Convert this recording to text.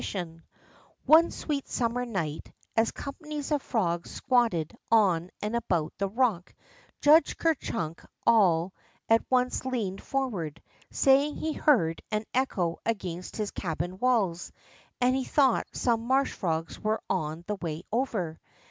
THE GREEN FROG 89 One sweet summer night, as companies of frogs squatted on and about the rock, Judge Ker Chimk all at once leaned forward, saying he heard an echo against his cabin walls, and he thought some marsh frogs were on the way over.